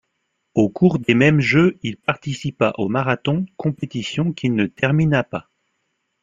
Au cours des mêmes Jeux, il participa au marathon, compétition qu'il ne termina pas.